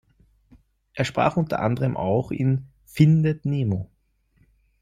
Er sprach unter anderem auch in "Findet Nemo".